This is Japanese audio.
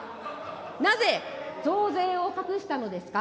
なぜ増税を隠したのですか。